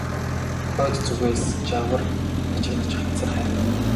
Хойд зүгээс жавар тачигнаж хацар хайрна.